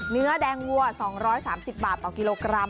เนื้อแดงวัว๒๓๐บาทต่อกิโลกรัม